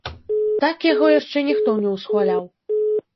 Так яго яшчэ ніхто не усхваляў.